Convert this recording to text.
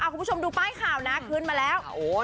คุณผู้ชมดูป้ายข่าวนะขึ้นมาแล้ว